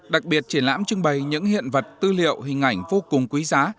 đặc biệt triển lãm trưng bày những hiện vật tư liệu hình ảnh vô cùng quý giá